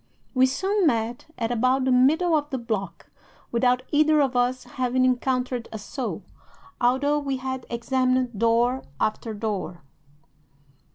"'We soon met at about the middle of the block, without either of us having encountered a soul, although we had examined door after door.